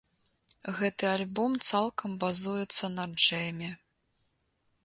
Гэты альбом цалкам базуецца на джэме.